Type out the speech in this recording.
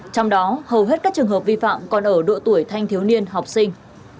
trong đó hầu hết các trường hợp vi phạm còn ở độ tuổi thanh thiếu niên học sinh